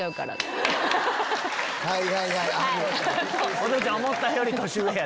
「お父ちゃん思ったより年上や」。